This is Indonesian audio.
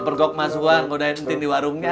ke pergok mas wah ngodaentin di warungnya